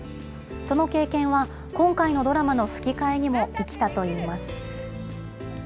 その経験は、今回のドラマの吹き替えにも生きたといいます。